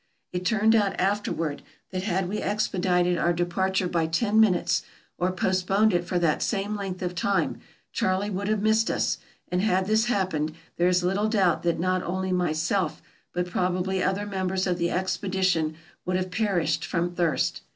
It turned out after ward that had we expedited our departure by ten minutes, or postponed it for the same length of time, Charley would have missed us ; and had this happened, there is little doubt that not only myself, but probably other members of the expedition, would have perished from thirst.